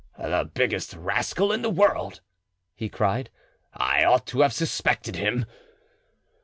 "The biggest rascal in the world!" he cried; "I ought to have suspected him."